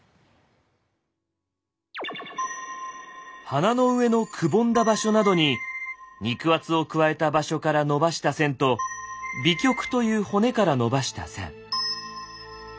鼻の上のくぼんだ場所などに肉厚を加えた場所から延ばした線と「鼻棘」という骨から延ばした線。